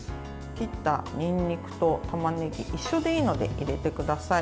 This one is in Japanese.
切ったにんにくとたまねぎ一緒でいいので入れてください。